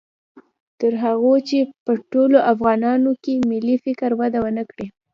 تر هغو چې په ټولو افغانانو کې ملي فکر وده و نه کړي